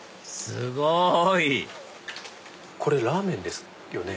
すごい！これラーメンですよね？